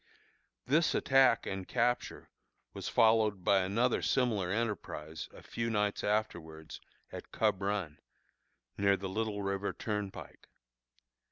This attack and capture was followed by another similar enterprise a few nights afterwards at Cub Run, near the Little River Turnpike.